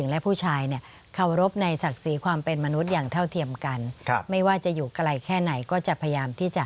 แล้วก็ท่องทางที่เหมาะสม